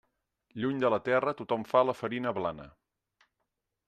Lluny de la terra tothom fa la farina blana.